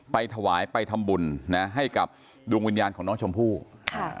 ไปถวายไปทำบุญนะให้กับดวงวิญญาณของน้องชมพู่ค่ะ